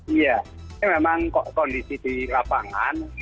iya ini memang kondisi di lapangan